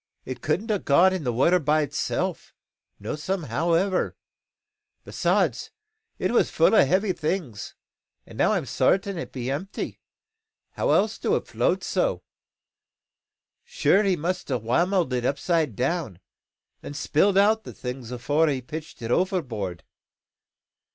It couldn't a' got into the water o' itself no howsomever; besides, it war full o' heavy things, and now I'm sartin it be empty, else how do it float so? Sure he must a' whammelled it upside down, and spilled out the things afore he pitched it overboard.